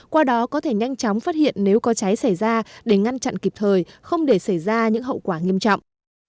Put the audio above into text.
qua đó có thể nhanh chóng phát hiện nếu có cháy xảy ra để ngăn chặn kịp thời không để xảy ra những hậu quả nghiêm trọng